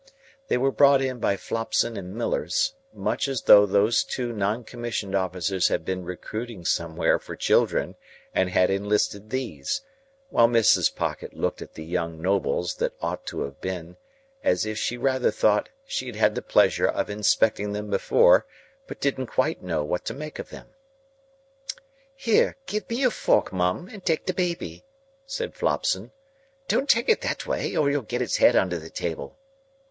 They were brought in by Flopson and Millers, much as though those two non commissioned officers had been recruiting somewhere for children and had enlisted these, while Mrs. Pocket looked at the young Nobles that ought to have been as if she rather thought she had had the pleasure of inspecting them before, but didn't quite know what to make of them. "Here! Give me your fork, Mum, and take the baby," said Flopson. "Don't take it that way, or you'll get its head under the table."